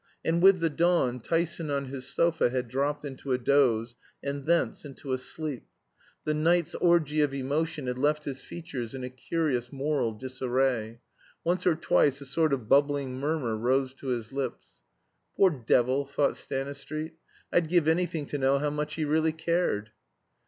And with the dawn Tyson on his sofa had dropped into a doze, and thence into a sleep. The night's orgy of emotion had left his features in a curious moral disarray; once or twice a sort of bubbling murmur rose to his lips. "Poor devil!" thought Stanistreet, "I'd give anything to know how much he really cared."